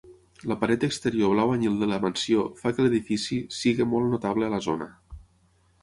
La paret exterior blau anyil de la mansió fa que l'edifici sigui molt notable a la zona.